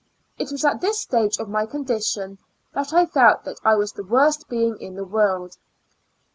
It was at this stage of my condition that I felt that I was the worst being in the world.